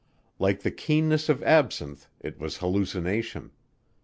Like the keenness of absinthe it was hallucination.